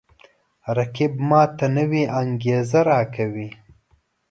رقیب ما ته نوی انگیزه راکوي